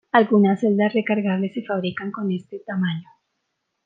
Algunas celdas recargables se fabrican con este tamaño.